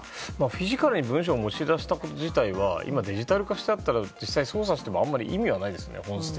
フィジカルに文書を持ち出したこと自体はデジタル化しているので捜査してもあまり意味がないですよね。